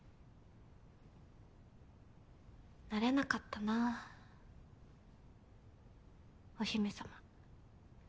なれなかったなお姫様。